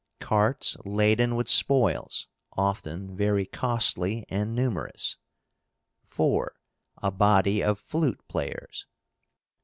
Carts laden with spoils, often very costly and numerous. 4. A body of flute players.